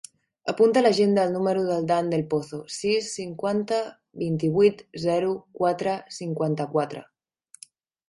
Apunta a l'agenda el número del Dan Del Pozo: sis, cinquanta, vint-i-vuit, zero, quatre, cinquanta-quatre.